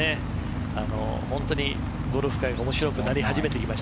本当にゴルフ界が面白くなり始めています。